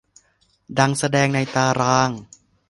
ดังแสดงในตาราง